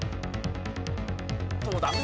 どうだ？